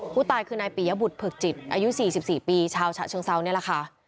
ผู้ตายคือนายปียบุตรผึกจิตอายุ๔๔ปีชาวฉะเชิงเซานี่แหละค่ะ